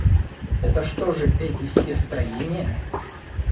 Это что же эти все строения?